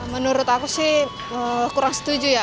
menurut aku sih kurang setuju ya